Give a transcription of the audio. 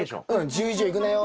「１０以上いくなよ」